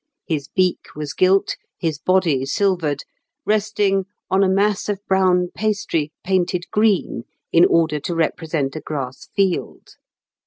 His beak was gilt, his body silvered, resting 'on a mass of brown pastry, painted green in order to represent a grass field.